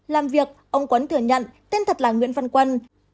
làm việc ông quấn thừa nhận tên thật là nguyễn văn quân